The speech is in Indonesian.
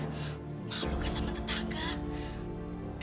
malu gak sama tetangga